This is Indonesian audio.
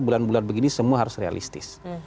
bulan bulan begini semua harus realistis